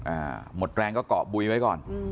อ่าหมดแรงก็เกาะบุยไว้ก่อนอืม